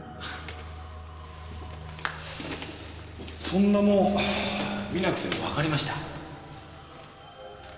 そんなもん見なくても分かりました